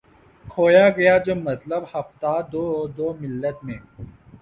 کھویا گیا جو مطلب ہفتاد و دو ملت میں